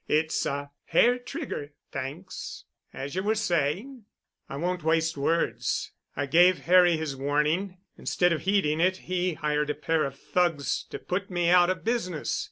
It's a hair trigger—thanks. As you were saying——" "I won't waste words. I gave Harry his warning. Instead of heeding it, he hired a pair of thugs to put me out of business.